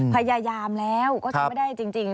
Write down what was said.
พยายามแล้วก็ทำไม่ได้จริง